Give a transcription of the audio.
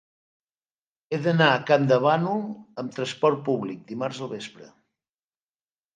He d'anar a Campdevànol amb trasport públic dimarts al vespre.